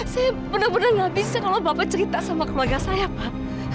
saya bener bener gak bisa kalau bapak cerita sama keluarga saya pak